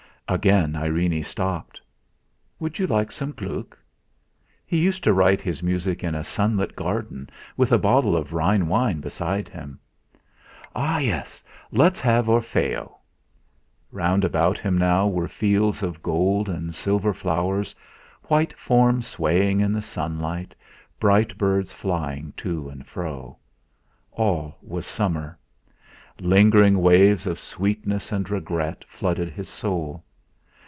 Again Irene stopped. "Would you like some Gluck? He used to write his music in a sunlit garden, with a bottle of Rhine wine beside him." "Ah! yes. Let's have 'Orfeo.'. Round about him now were fields of gold and silver flowers, white forms swaying in the sunlight, bright birds flying to and fro. All was summer. Lingering waves of sweetness and regret flooded his soul.